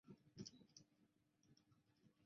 伊凡雷帝和捷姆留克的女儿结姻。